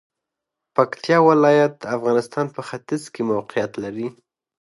پکتیا ولایت د افغانستان په ختیځ کې موقعیت لري.